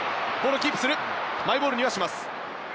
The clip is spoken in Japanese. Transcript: マイボールにします。